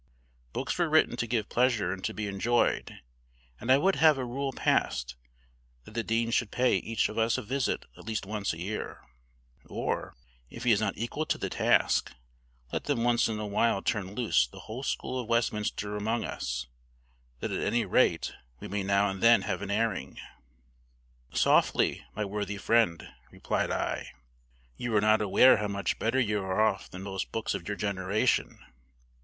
Books were written to give pleasure and to be enjoyed; and I would have a rule passed that the dean should pay each of us a visit at least once a year; or, if he is not equal to the task, let them once in a while turn loose the whole school of Westminster among us, that at any rate we may now and then have an airing." "Softly, my worthy friend," replied I; "you are not aware how much better you are off than most books of your generation.